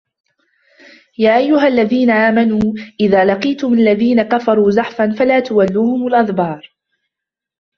يا أيها الذين آمنوا إذا لقيتم الذين كفروا زحفا فلا تولوهم الأدبار